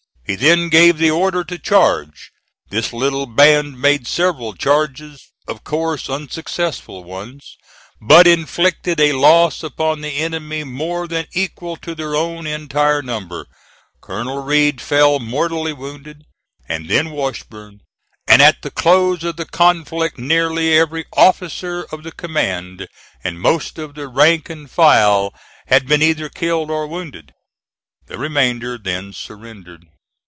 He then gave the order to charge. This little band made several charges, of course unsuccessful ones, but inflicted a loss upon the enemy more than equal to their own entire number. Colonel Read fell mortally wounded, and then Washburn; and at the close of the conflict nearly every officer of the command and most of the rank and file had been either killed or wounded. The remainder then surrendered.